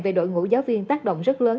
về đội ngũ giáo viên tác động rất lớn